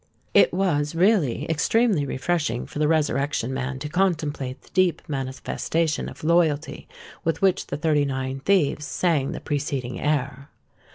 It was really extremely refreshing for the Resurrection Man to contemplate the deep manifestation of loyalty with which the thirty nine thieves sang the preceding air.